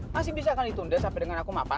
masih bisa kan ditunda sampai dengan aku mapan